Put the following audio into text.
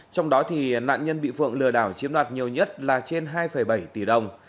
trong đó nạn nhân bị phượng lừa đảo chiếm đoạt nhiều nhất là trên hai bảy tỷ đồng